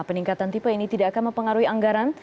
peningkatan tipe ini tidak akan mempengaruhi anggaran